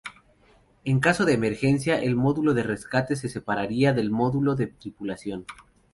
En caso de emergencia el módulo de rescate se separaría del módulo de tripulación.